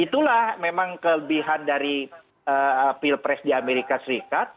itulah memang kelebihan dari pilpres di amerika serikat